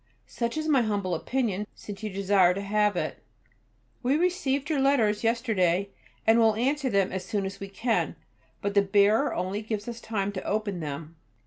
Such is my humble opinion, since you desire to have it.[B] We received your letters yesterday, and will answer them as soon as we can, but the bearer only gave us time to open them.